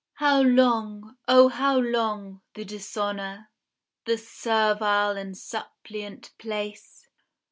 How long, O how long, the dishonor, The servile and suppliant place?